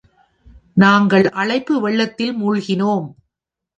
நாங்கள் அழைப்பு வெள்ளத்தில் மூழ்கினோம்.